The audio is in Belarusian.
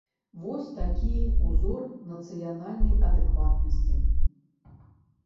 Вось такі ўзор нацыянальнай адэкватнасці!